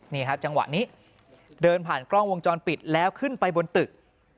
นี่ครับจังหวะนี้เดินผ่านกล้องวงจรปิดแล้วขึ้นไปบนตึก